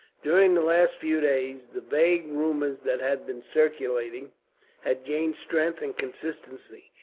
During the last few days, the vague rumours that had been circulating had gained strength and consistency.